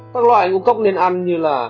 các loại ngũ cốc nên ăn như là